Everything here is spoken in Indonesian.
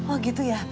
oh gitu ya